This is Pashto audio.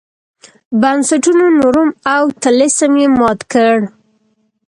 بنسټونو نورم او طلسم یې مات کړ.